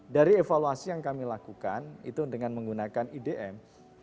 dari evaluasi yang kami lakukan itu dengan menggunakan idm